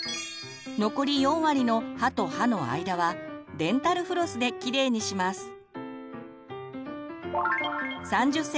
残り４割の歯と歯の間はデンタルフロスできれいにします。